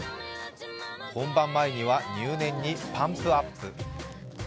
本番前には入念にパンプアップ。